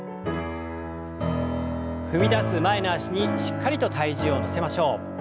踏みだす前の脚にしっかりと体重を乗せましょう。